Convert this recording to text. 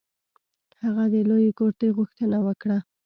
هغه د لویې کرتۍ غوښتنه وکړه.